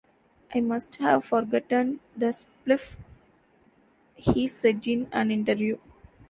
"I must have forgotten the spliff," he said in an interview.